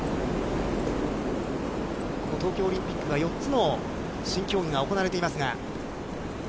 この東京オリンピックは４つの新競技が行われていますが。